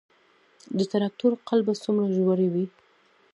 د تراکتور قلبه څومره ژوره وي؟